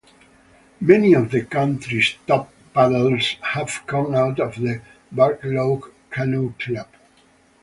Many of the country's top paddlers have come out of the Burloak Canoe Club.